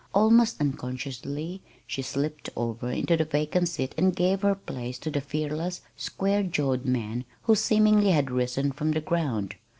Almost unconsciously she slipped over into the vacant seat and gave her place to the fearless, square jawed man who seemingly had risen from the ground.